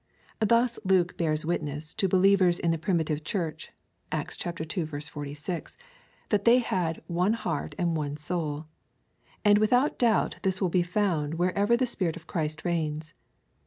Thus Luke bears witness to believers in the primitive Church, (Acts ii. 46,) that they had " one heart and one soul." And without doubt this will be found wherever the Spirit of Christ reigns.